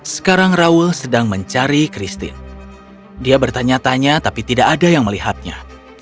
sekarang raul sedang mencari christine dia bertanya tanya tapi tidak ada yang melihatnya